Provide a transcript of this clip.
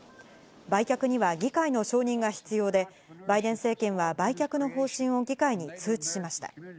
売却には議会の承認が必要で、バイデン政権は売却の方針を議会に通知しました。